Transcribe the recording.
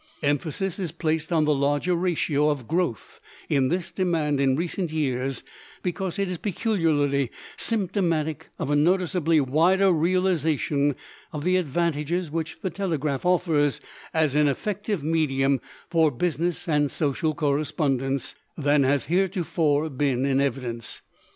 Emphasis is placed on the larger ratio of growth in this demand in recent years because it is peculiarly symptomatic of a noticeably wider realization of the advantages which the telegraph offers as an effective medium for business and social correspondence than has heretofore been in evidence.